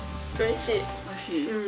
おいしい。